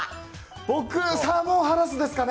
僕、サーモンハラスですかね。